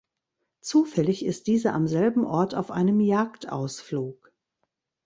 Zufällig ist dieser am selben Ort auf einem Jagdausflug.